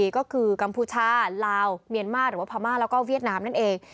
ก็คือกัมพูชาลาวเมียนมาร์หรือว่าพม่าแล้วก็เวียดนามนั่นเอง